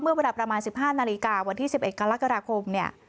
เมื่อประมาณ๑๕นาฬิกาวันที่๑๑กรกษมนธ